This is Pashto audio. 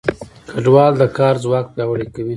کډوال د کار ځواک پیاوړی کوي.